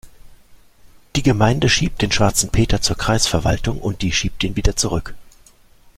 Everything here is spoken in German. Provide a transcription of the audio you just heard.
Die Gemeinde schiebt den schwarzen Peter zur Kreisverwaltung und die schiebt ihn wieder zurück.